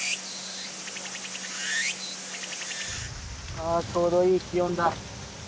ああちょうどいい気温だ。